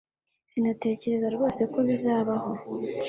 Sinatekerezaga rwose ko bizabaho